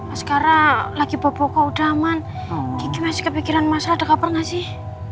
askara lagi bawa pokok udah aman kiki masih kepikiran masalah ada kabar gak sih